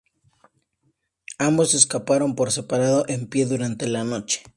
Ambos escaparon por separado en pie durante la noche.